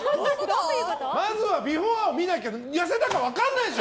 まずはビフォーを見ないと痩せたか分からないでしょ。